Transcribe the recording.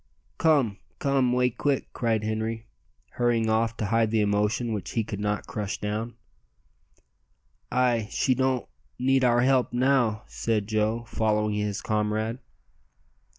"Come come 'way quick," cried Henri, hurrying off to hide the emotion which he could not crush down. "Ay, she don't need our help now," said Joe, following his comrade.